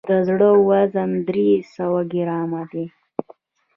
د زړه وزن درې سوه ګرامه دی.